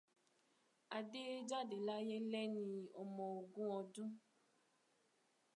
Adé jáde láyé lẹ́ni ọmọ ogún ọdún.